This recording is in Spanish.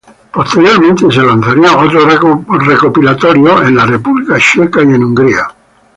Posteriormente se lanzarían otros recopilatorios en la República Checa y Hungría.